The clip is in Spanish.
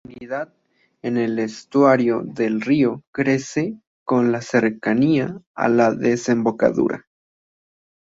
La salinidad en el estuario del río crece con la cercanía a la desembocadura.